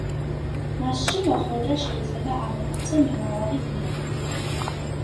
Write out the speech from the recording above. მასში მოხვედრა შეიძლება აღმართზე მიმავალი გვირაბით.